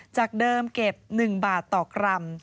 จากเดิมเก็บ๑บาทต่อกรัม